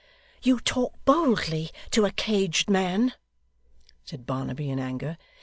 'You talk boldly to a caged man,' said Barnaby, in anger.